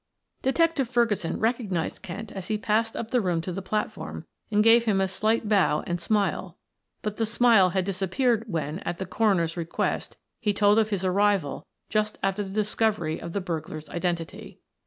Detective Ferguson recognized Kent as he passed up the room to the platform and gave him a slight bow and smile, but the smile had disappeared when, at the coroner's request, he told of his arrival just after the discovery of the burglar's identity.